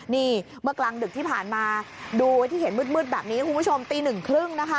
นี่เมื่อกลางดึกที่ผ่านมาดูไว้ที่เห็นมืดแบบนี้คุณผู้ชมตีหนึ่งครึ่งนะคะ